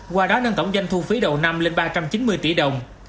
qua đó nâng tổng doanh thu phí đầu năm lên ba trăm chín mươi tỷ đồng